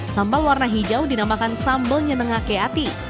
sambal warna hijau dinamakan sambal nyeneng akeati